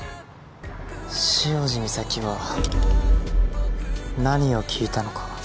潮路岬は何を聞いたのか。